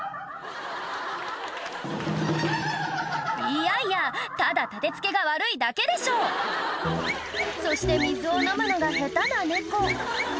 いやいやただ立て付けが悪いだけでしょそして水を飲むのが下手な猫